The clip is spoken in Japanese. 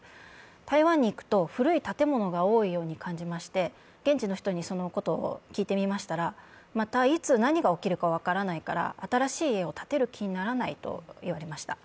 台湾に行くと、古い建物が多いように感じまして、現地の人にそのことを聞いてみましたら、またいつ何が起きるか分からないから、新しい家を建てる気にならないと言われました。